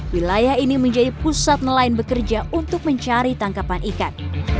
wilayah ini menjadi pusat nelayan bekerja untuk mencari tangkapan ikan